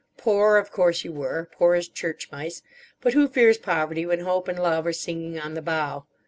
Poor, of course you were; poor as church mice. But who fears poverty when hope and love are singing on the bough!